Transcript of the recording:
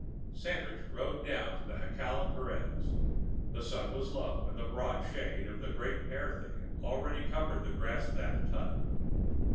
Sandridge rode down to the jacal of Perez. The sun was low, and the broad shade of the great pear thicket already covered the grass thatched hut.